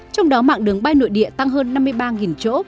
trong đó mạng đường bay nội địa tăng hơn năm mươi ba chỗ